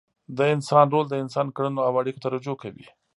د انسان رول د انسان کړنو او اړیکو ته رجوع کوي.